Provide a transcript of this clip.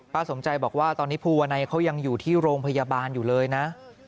สมใจบอกว่าตอนนี้ภูวนัยเขายังอยู่ที่โรงพยาบาลอยู่เลยนะ